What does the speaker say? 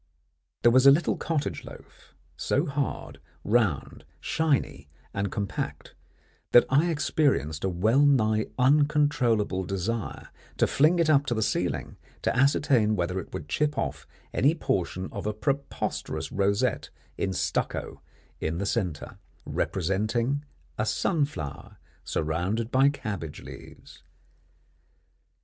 There was a little cottage loaf, so hard, round, shiny, and compact, that I experienced a well nigh uncontrollable desire to fling it up to the ceiling to ascertain whether it would chip off any portion of a preposterous rosette in stucco in the centre, representing a sunflower surrounded by cabbage leaves.